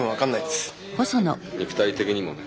肉体的にもね